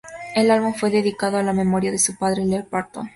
El álbum fue dedicado a la memoria de su padre, Lee Parton.